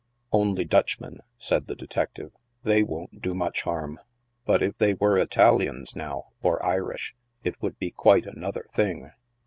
" Only Dutchmen," said the detective ;" they won't do much harm ; but if they were Italians, now, or Irish, it would be quite another thing!"